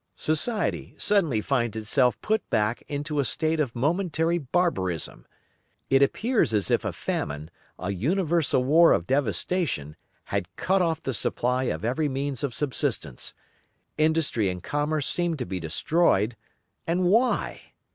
Society suddenly finds itself put back into a state of momentary barbarism; it appears as if a famine, a universal war of devastation had cut off the supply of every means of subsistence; industry and commerce seem to be destroyed; and why?